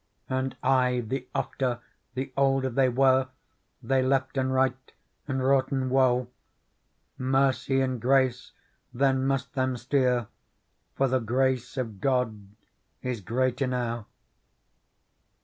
And aye the ofter, the older they were. They leften right and wroughten woe. Mercy and grace then must them steer. For the grace of God is great enow.